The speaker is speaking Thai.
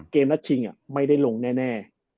เกมรัฐชิงไม่ได้ลงแน่